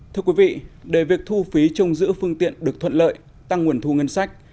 thưa quý vị để việc thu phí trong giữ phương tiện được thuận lợi tăng nguồn thu ngân sách